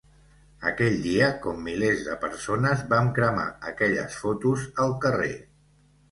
Aquell dia, com milers de persones, vam cremar aquelles fotos al carrer.